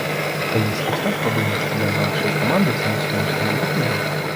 Трэнерскі штаб падумаў, што для нашай каманды сэнсу нешта мяняць няма.